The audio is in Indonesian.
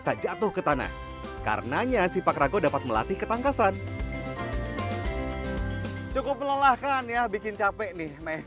tak jatuh ke tanah karenanya sipak rago dapat melatih ketangkasan cukup melelahkan ya bikin capek nih